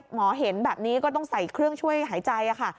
หมอเห็นแบบนี้ก็ต้องใส่เครื่องช่วยหายใจค่ะ